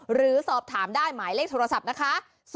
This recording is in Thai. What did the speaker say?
หรือสอบถามได้หมายเลขโทรศัพท์นะคะ